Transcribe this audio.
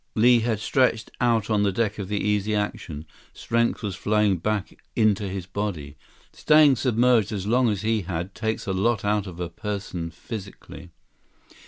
Li had stretched out on the deck of the Easy Action. Strength was flowing back into his body. Staying submerged as long as he had takes a lot out of a person physically.